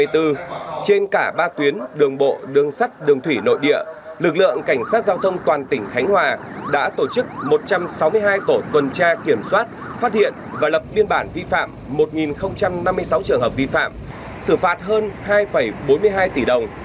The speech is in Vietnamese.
trên cả ba tuyến đường bộ đường sắt đường thủy nội địa lực lượng cảnh sát giao thông toàn tỉnh khánh hòa đã tổ chức một trăm sáu mươi hai tổ tuần tra kiểm soát phát hiện và lập biên bản vi phạm một năm mươi sáu trường hợp vi phạm xử phạt hơn hai bốn mươi hai tỷ đồng